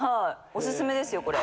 おすすめですよこれ。